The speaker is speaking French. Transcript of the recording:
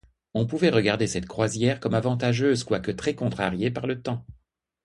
On pouvait regarder cette croisière comme avantageuse, quoique très-contrariée par le temps.